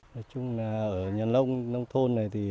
nói chung là ở nhân long nông thôn này